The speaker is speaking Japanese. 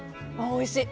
おいしい。